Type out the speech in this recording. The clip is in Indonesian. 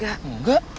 pak rete enggak